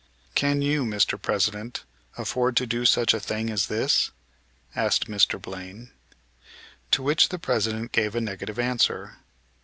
"Can you, Mr. President, afford to do such a thing as this?" asked Mr. Blaine. To which the President gave a negative answer.